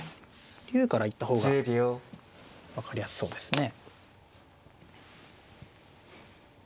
竜から行った方が分かりやすそうですね。